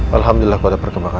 alhamdulillah kota perkembangan